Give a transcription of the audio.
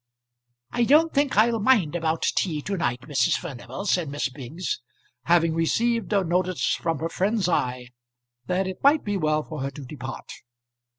"I don't think I'll mind about tea to night, Mrs. Furnival," said Miss Biggs, having received a notice from her friend's eye that it might be well for her to depart.